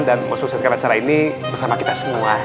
dan mesukseskan acara ini bersama kita semua